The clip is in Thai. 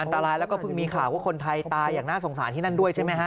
อันตรายแล้วก็เพิ่งมีข่าวว่าคนไทยตายอย่างน่าสงสารที่นั่นด้วยใช่ไหมฮะ